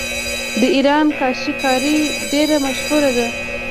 د ایران کاشي کاري ډیره مشهوره ده.